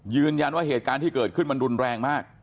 ยืนยันว่าเหตุการณ์ที่เกิดขึ้นมันรุนแรงมาก